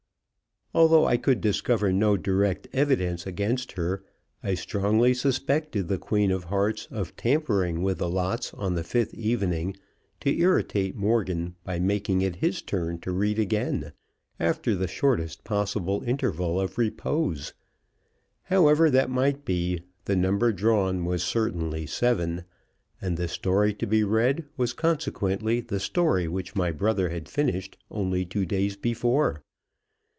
Although I could discover no direct evidence against her, I strongly suspected The Queen of Hearts of tampering with the lots on the fifth evening, to irritate Morgan by making it his turn to read again, after the shortest possible interval of repose. However that might be, the number drawn was certainly Seven, and the story to be read was consequently the story which my brother had finished only two days before.